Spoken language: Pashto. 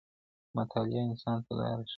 مطالعه انسان ته لاره ښیي.